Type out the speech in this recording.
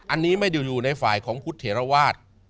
อันนี้ไม่ได้อยู่ในฝ่ายของพุทธเถระวาส